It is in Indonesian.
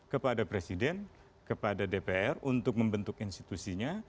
kepada presiden kepada dpr untuk membentuk institusinya